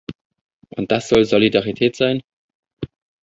Und das soll Solidarität sein?